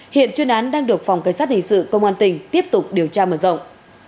hiện chuyên án đang được phòng cảnh sát hình sự công an tỉnh tiếp tục điều tra mở rộng